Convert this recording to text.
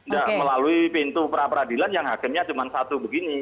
dan melalui pintu perapradilan yang hakimnya cuma satu begini